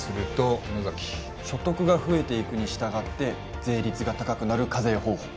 所得が増えていくに従って税率が高くなる課税方法。